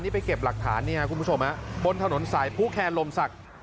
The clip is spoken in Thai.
นี่ไปเก็บหลักฐานเนี่ยคุณผู้ชมบนถนนสายผู้แคนลมศักดิ์